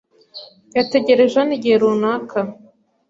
Yategereje hano igihe runaka.